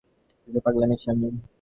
পুরো বিষয়টাই পাগলামির সামিল।